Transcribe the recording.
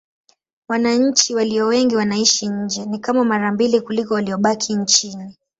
Wananchi walio wengi wanaishi nje: ni kama mara mbili kuliko waliobaki nchini.